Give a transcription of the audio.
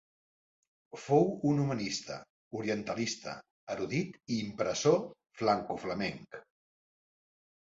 Fou un humanista, orientalista, erudit i impressor francoflamenc.